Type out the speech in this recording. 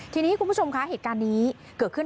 ทีนี้คุณผู้ชมคะเหตุการณ์นี้เกิดขึ้น